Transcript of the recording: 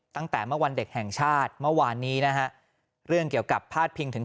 ตั้งแต่เมื่อวันเด็กแห่งชาติเมื่อวานนี้นะฮะเรื่องเกี่ยวกับพาดพิงถึง